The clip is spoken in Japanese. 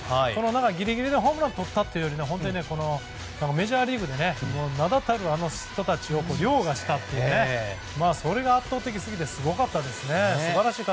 ギリギリでホームラン王をとったというよりメジャーリーグで名だたる人たちを凌駕したというそれが圧倒的過ぎてすごかったですね。